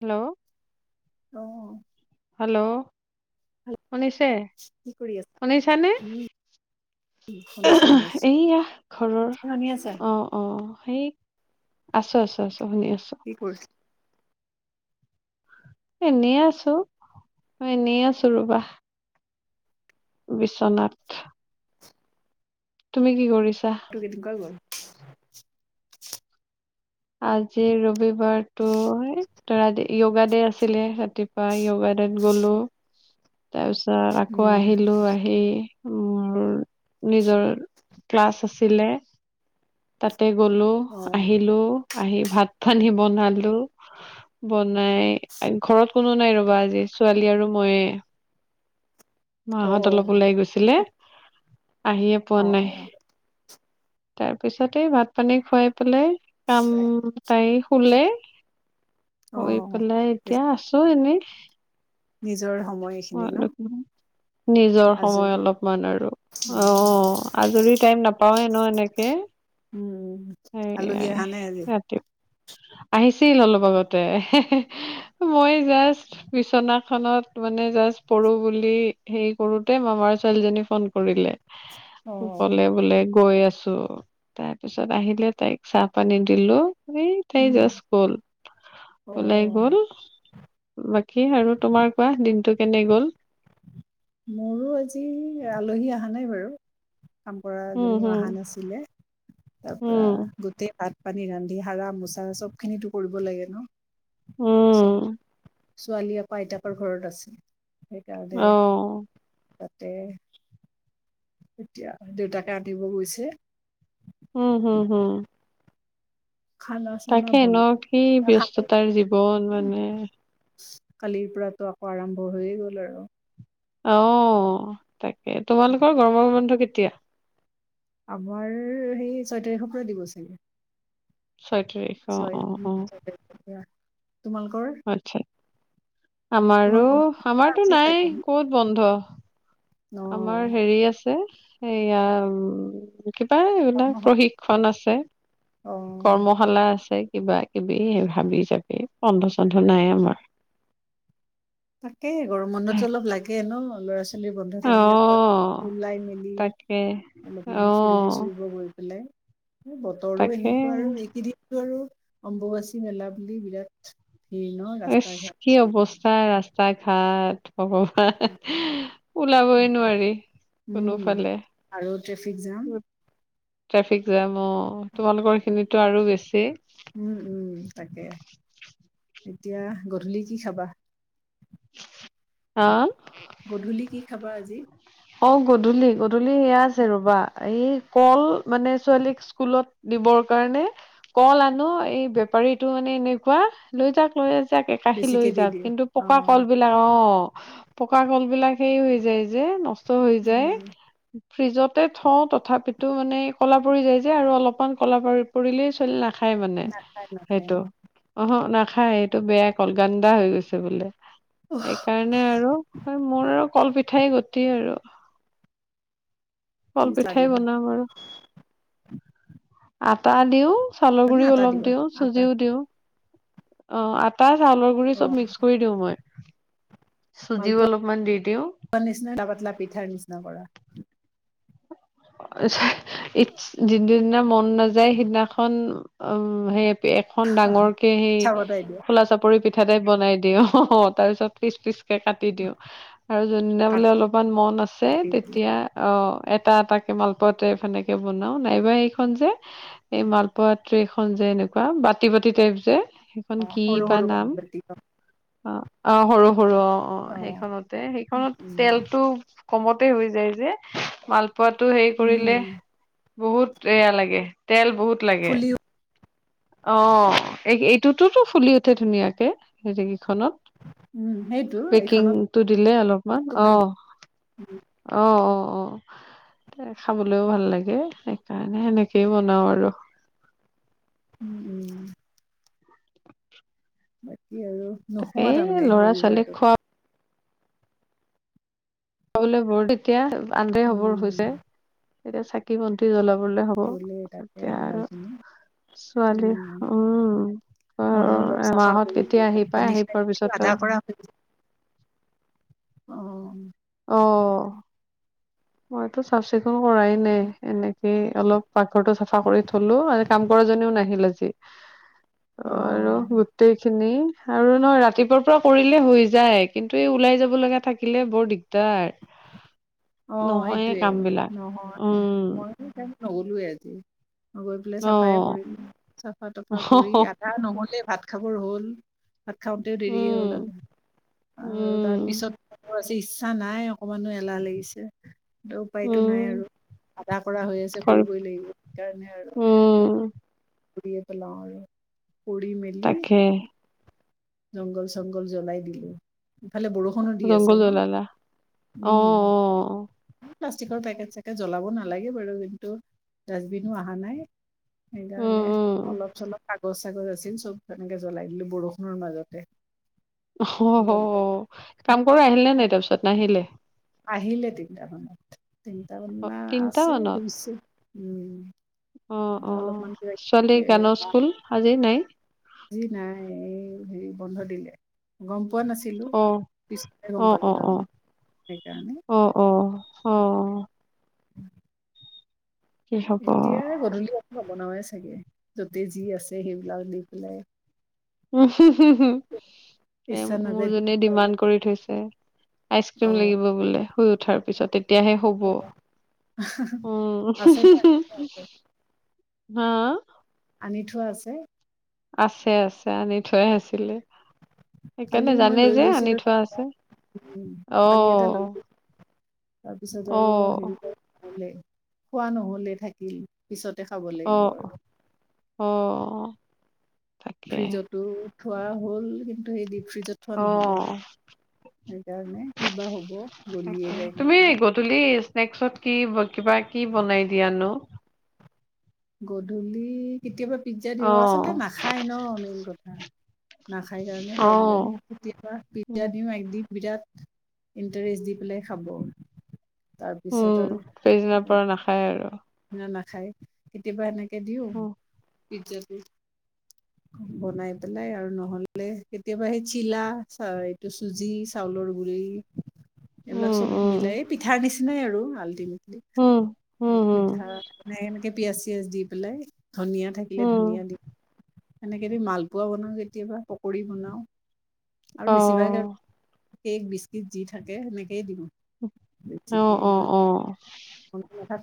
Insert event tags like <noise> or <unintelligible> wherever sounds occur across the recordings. Hello অ'। Hello কি কৰি আছা? শুনিছে-শুনিছানে, উম, শুনিছো শুনিছো। এইয়া ঘৰৰ শুনি আছা? অ-অ, সেই আছো-আছো-আছো। তুন <unintelligible> আছো কি কৰিছা এনেই আছো এনেই আছো ৰবা। বিশ্বনাথ তুমি কি কৰিছা। <unintelligible> <inaudible> আজি ৰবিবাৰতো তৰা য়োগা দে আছিলে। ৰাতিপা য়োগা দেত গলো। তাৰপিছ তাৰছত আকৌ উম, আহিলো আহি। মোৰ নিজৰ ক্লাছ আছিলে তাত। তাতে গলো অ', আহিলো। আহি ভাত খানি বনালো বন। নাই ঘৰত কোনো নাই ৰ আজি ছোৱালী আৰু ময়ে। মাহঁত অলপ অ', ওলাই গৈছিলে আহিয়ে পোৱা নাই। অ', তাৰপিছতে ভাত পানী খুৱাই পেলাই কাম তাই শুলে, অ', শুই অ'। পেলাই এতিয়া আছো এনেই নিজৰ সময় এইখিনি ন অলপ, নিজৰ সময় আজৰি অলপমান আৰু অ' আজৰি টাইম নাপাওয়ে ন এনেকে উম, আলহী সেয়াই অহা নাই আজি? ৰাতি। আহিছিল অলপ আগতে মই জাষ্ট বিচনাখনত মানে জাষ্ট পঢ়ো বুলি হেৰি কৰোতে মামাৰ ছোৱালীজনী ফোন কৰিলে। অ'। কলে বোলে গৈ আছে। চ তাৰ পিছত আহিলে তাইক চাহ পানী দিলো এই তাই উম, জাষ্ট গল ওলাই অ', গল বাকী আৰু তোমাৰ। কোৱা দিনটো কেনে গ'ল? মোৰো আজি আলহী অহা নাই বাৰু কাম কৰা উম জনীও হম অহা নাছিলে তাৰ পৰা উম গোটেই ভাত পানী ৰান্ধি সাৰা মোচা চব খিনিতো কৰিব লাগে ন' উম চব ছোৱালী আপ আইতাকৰ ঘৰত আছে। সেইকাৰণে অ তাতে এতিয়া দেউতাকে আনিব গৈছে উম হম-হম। খানা চানা তাকে বন ন কি ব্যস্ততাৰ জীৱন মানে। কালিৰ পৰাতো আকৌ আৰম্ভ হৈয়ে গ'ল আৰু অ তাকে তোমালোকৰ গৰমৰ বন্ধ কেতিয়া <unintelligible> আমাৰ সেই ছয় তাৰিখৰ পৰা দিব চাগে। ছয় তাৰিখ অ ছয় অ অ ছয় তাৰিখৰ পৰা তোমালোকৰ আচ্ছা আমাৰো তোমালোকৰ আমাৰতো আছে নাই চাগে ক'ত বন্ধ ন আমাৰ অ হেৰি আছে সেইয়া কিবা এই বিলাক প্ৰশিক্ষণ আছে অ কৰ্মশালা আছে। কিবা কিবি ভাবি চাবি কন্ধ চন্ধ নাই আমাৰ তেই গৰম বন্ধটো অলপ লাগে ন ল'ৰা ছোৱালী লি বন্ধ অ থাকিলে কৰবাত ওলাই মেলি তাকে অ অলপমান ফুৰিব চুৰিব গৈ পেলাই বতৰো তাকে এনেকুৱা আৰু এইকে দিনটো আৰু অম্বুবাচী মেলা বুলি বিৰাত কি অৱস্থা ৰাস্তা ৰাস্তা ঘাট ভগৱান ওলাবই নোৱাৰি উম কোনোফালে আৰু ট্ৰেফিক জাম ট্ৰাফিক জাম অ তোমালোকৰ খিনিতো আৰু বেছি স <unintelligible> উম -উম তাকে এতিয়া গধূলি কি খাবা আ গধূলি কি খাবা আজি অ গধূলি গধূলি সেয়া আছে ৰবা এই কল মানে ছোৱালীক স্কুলত দিবৰ কাৰণে কল আনো এই বেপাৰীতু মানে এনেকুৱা লৈ যাক লৈ যা যাক একাষি লৈ বেছিকে দি যাক দিয়ে কিন্তু পকা অ'। কল বিলাক অ পকা কল বিলাক সেই হৈ যায় যে নষ্ট হৈ যায় উম ফ্ৰিজতে থওঁ তথাপিতো মানে ক'লা পৰি যায় যে আৰু অলপমান ক'লা পৰি পৰিলেই ছোৱালী নাখা খাই মানে নাখায় নাখায় সেইটো অ হ না খাই এইটো বেয়া কল, গন্দা হৈ গৈছে বোলে। অ সেইকাৰণে আৰু, মোৰ আৰু কলপি সেয়াই গতি আৰু। কি কল চাহ পিঠাই দিবা বনাম আৰু তালিও চাউলৰ মানে গুৰিও আটা অলপ দিবা দিও, আটা চুজিও দিও। অ আটা চাউলৰ গুৰি অ চব মিক্স কৰি দিও মই। চুজিও মালপোৱা অলপমান দি দিও। পাতলা, পাতলা পিঠাৰ নিচিনা কৰা। এই যিদিনা পৰা মন নাযায়, সিদিনাখন উ সেই এখন ডাঙৰ কে সেই পিঠা বনাই দিয়া খোলা চাপৰি পি পিঠা টাইপ বনাই দিও, অহ অ' তাৰপিছত পিচ পিচ কে কাটি দিও আৰু যোনদিনা বোলে কাটি অলপমান মন আছে আছে তেতিয়া অ এটা এটা কে মালপোৱা টাইপ সেনেকে বনাও, নাইবা এইখন যে এই মালপোৱা ট্ৰে খন যে এনেকুৱা বাতি বাতি টাইপ যে সেইখন অ', কি সৰু বা সৰু নাম? কাটি অ' সৰু সৰু অ'-অ' অ সেইখনতে, সেইখনত উম তেলতটো- কমতে হৈ যায় যে, মালপোৱাত হেই কৰিলে, উম, বহুত এয়া লাগে তেল বহুত লাগে ফুলি অ' এই এইটোতো ফুলি উঠে, ধুনীয়াকে স উম সেইটো এইখনতো দিলে অলপমান ভাল অ', - অ', -অ অ' খাবলৈও ভাল লাগে, সেইকাৰণে সেনেকেই বনাও আৰু। উম <inaudible> <inaudible> কি আৰু নুশুৱা এই তাৰমানে ল'ৰা ছোৱালীক ৰবিবাৰটোত। শুবলৈ বৰ দিগদাৰ আন্ধাৰ হ'বৰ হৈছে। উম এতিয়া চাকি-বন্তি জ্বলাব বলে হ'ব, গ'লেই তাকে এতিয়া আৰু সময়খিনি ছোৱালী উম উম' ময়ো অলপ চাফা এমাহত কৰিলো কেতিয়া ভাত আহি পাই পানী আহি খাই পোৱাৰ উঠি পিছত আধা আৰু কৰা হৈ গ'ল। অ অ'। মইতো চাফ চিকুণ কৰাই নাই এনেকে। এ অলপ পাকঘৰটো চাফা কৰি থলো। আজি কাম কৰা জনীও নাহিল আজি। অ আৰু গোটেই খিনি আৰু নহয় ৰাতিপুৱাৰ পৰা কৰিলে হৈ যায় কিন্তু এই ওলাই যাব লগা থাকিলে বৰ দিগ তাক অ' সেইটোৱে। নহয় উম ময়ো তাইম ন'গলোৱে এজি। গৈ পেলাই অ চাফাই কৰিলো। চাফা তফা কৰি আধা নহলে ভাত খাবৰ হ'ল। ভাত খাওঁতেও দেৰিয়ে হ'ল আৰু উম আৰু তাৰ উম পিছত ইচ্ছা নাই অকমানো এলাহ লাগিছে। <inaudible> উপায়তো উম নাই আৰু আধা কৰা হৈ আছে কৰি কৰিবই লাগিব সেইকাৰণে আৰু। উম কৰিয়ে পেলাও আৰু। কৰি মেলি তাকে জংঘল চংঘল জ্বলাই দিলো। ইফালে বৰষুণো দি আছে জংঘল ন জ্বলালা অ' উম অ' অ'। প্লাষ্টিকৰ পেকেট চেকেট জ্বলাব নালাগে বাৰু কিন্তু ডাষ্টবিনো অহা নাই। উম, সেইকাৰণে উম, অলপ চলপ কাগজ চাগজ আছিল চব তেনেকে জ্বলাই দিলো বৰষুণৰ মাজতে। অ' কাম কৰা আহিল নে নাই? তাৰপিছত নাহিলে। আহিলে তিনিটা মানত। তিনটা মানত অ', আ তিনটা মানত <unintelligible> উম। অ' এটা অ' অলপমান কিবা ছোৱালী কিবি গানৰ স্কুল আজি নাই? আজি নাই এই বন্ধ দিলে গম পোৱা নাছিলো অ', পিছতহে গম অ', পালো অ', অ', তাৰমানে। সেইকাৰণে অ' অ'। অ'অ'। উ। হ'ব? এতিয়া গধূলি বনাওৱে চাগে, যতে যি আছে সেইবিলাক দি পেলাই। এ ইচ্ছা নাযায় মোৰ দিব জনে পাৰো। ডিমাণ্ড কৰি থৈছে। আইচ ক্ৰীম অ লাগিব বোলে। শুই উঠাৰ পিছতে। তেতিয়াহে হ'ব। আছে ন অ'। হা। আনি থোৱা আছে? আছে আছে আনি থোৱাই আছিলে। কালি সেইকাৰণে মই জানেই লৈ যে আনি গৈছিলো, থোৱা আছে কালি এটা লৈ অ', গৈ, তাৰপিছত আৰু অ'। হেৰি লেই। খোৱা নহলে থাকিল। পিছত দেখাব লাগিব অ', আৰু। অ'। তাকে। ফ্ৰিজতো খোৱা হ'ল কিন্তু সেইদিন ফ্ৰিজত থোৱা নহ'ল আৰু। অ', সেইকাৰণে কি বা হ'ব গলিয়ে যায় তুমি নেকি! গধূলি স্নেক্সত কি কিবা কি বনাই দিয়া নো? গধূলি কেতিয়াবা পিজ্জা দিওঁ আচলতে অ', নাখায় ন মেইনটো। নাখাই কাৰণে প্ৰব্লেম, অ', কেতিয়াবা পিজ্জা উম, দিও এগ দি। বিৰাট ইণ্টাৰেষ্ট দি পেলাই খাব। উ, তাৰপিছত সেইদিনাৰ পৰা নাখায় আৰু। না নাখায়, কেতিয়াবা এনেক কে দিওঁ। উম, পিজ্জা পি, বনাই পেলাই আৰু নহ'লে কেতিয়াবা সেই চিলা চ এইটো চুজি, চাউলৰ গুৰি। এইবিলাক উম, চব মিলাই এই পিঠাৰ নিচি নেই আৰু আল্টি উ, উ। পিঠা, মানে এনেকে পিয়াঁজ-চিয়াজ দি পেলাই ধনিয়া থাকিলে উম, ধনিয়া দি সেনেকে দি মালপোৱা বনাওঁ কেতিয়াবা, পকৰি বনাওঁ। আৰু বেছিভাগ আৰু অ'। কেক বিস্কিট যি থাকে সেনেকেই দিওঁ। অ, বেছিকে অ', অ।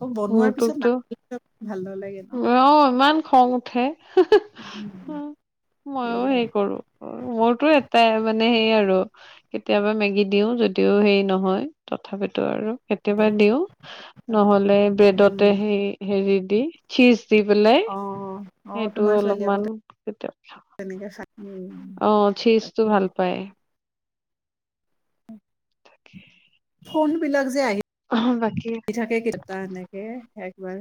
অ বনোৱাৰ পিছত। মোৰটোতো ভাল নালাগে ন অ ইমান খং উঠে মইয়ও সেইয়াই হেই কৰো মোৰতো এটাই মানে সেই আৰু। কেতিয়াবা মেগী দিও যদিও হেৰি নহয় তথাপিতো আৰু। কেতিয়াবা দিওঁ, আৰু নহ'লে ব্ৰেডতে উম সেই হেৰি <unintelligible> চীজ। দি পেলাই, অ অ সেইটো তোমাৰ ছোৱালী আকৌ অলপমান। তেনেকে খাই উম অ, মোৰ চিজ তো তাকে ভাল পাই। ফোন বিলাক যে আহি অ' বাকী থাকে কেইটা এনেকে বাৰু।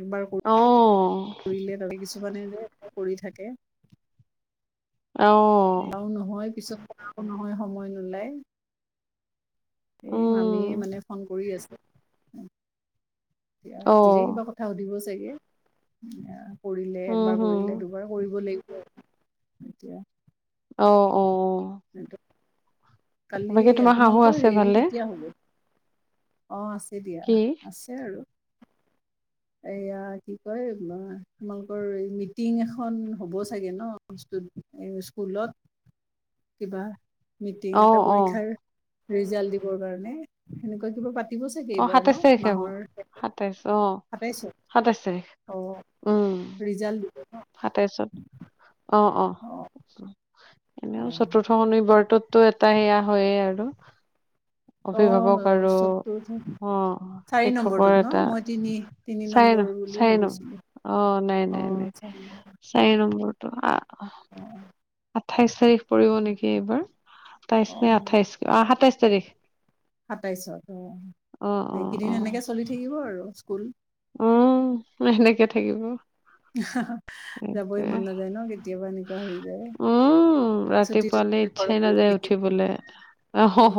একবাৰ অ' কৰিলে তাৰে কিছু কলে যে কৰি থাকে অ। এয়াও নহয় পিছত নহয় সময় নোলায়। এ উম মামীয়ে মানে ফোন কৰি আছে। অ' কিবা কথা সুধিব চাগে। কৰিলে উম একবাৰ হম কৰিলে দুবাৰ কৰিব লাগিব। এতিয়া অ', অ', অ'। <unintelligible> কালি বাকী তোমাৰ শাহু তোমালোকৰ আছে হেৰি ভালে? কেতিয়া হ'ব? অ' আছে দিয়া, কি আছে আৰু। এয়া কি কয় তোমালোকৰ এই মিটিং এখন হ'ব চাগে ন স্কুলত কিবা? মিটিং এটা অ' অ' পৰীক্ষাৰ। ৰিজাল্ট দিবৰ কাৰণে, সেনেকুৱা কিবা পা অ সাতাইশ তাৰিখে হ'ব, সাতাইশ অ। সাতাইশ <unintelligible> তাৰিখ অ', ৰিজাল্ট দিব। ন সাতাইছত। <inaudible> অ এনেও চতুৰ্থ মানে। ঘৰটোতো এটা সেয়া হয়য়ে আৰু। অ অ অভিভাৱক আৰু সত্তৰ অহ, চাৰি শিক্ষকৰ নম্বৰটোত ন এটা। মই তিনি তিনি নম্বৰ চাইনো বুলি চাইনো ভাবিছিলো অ', নাই, নাই, নাই চাৰি নম্বৰ। চাইন <unintelligible> আ। আহ, অ আঠাইছ তাৰিখ পৰিব নেকি? এবাৰ। অ অ সাতাইছ নে আঠাইছ। আ, সাতাইছ। চাগে। সাতাইছত। অ, অ এইকেইদিন এনেকে চলি থাকিব আৰু। অ, স্কুল। অ', সে-সেনেকে থাকিব। যাবই সেইটোৱে মন নাযায় ন কেতিয়াবা এনেকুৱা হৈ যায় উম, ছুটি ৰাতিপুৱালে তুটি ঘৰত ইচ্ছাই নাযায় বহি থাকি উঠিবলে। অহ', হ, হ।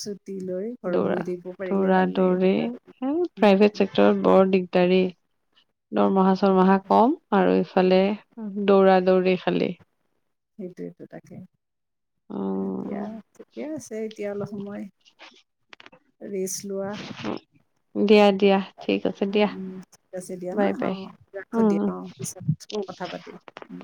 চুদ টিলৈ ঘৰত দৌৰা বহি থাকিব পাৰিলে দৌৰা ভাল লাগে। দৌৰি উম। তাৰি। দৰমহা চৰমাহা কম আৰু ইফালেহ। উম। দৌৰা দৌৰি খালি। সেইটো, সেইটো তাকে। এতিয়া অ ঠিকে আছে। এতিয়া অলপ সময়। ৰেছ লোৱাহ। দিয়াদ উম, উম ঠিক আছে দিয়া ন। বাই অ, বাই ৰাখো উম দিয়া। উম অ, পিছত কথা পাতিম। উম।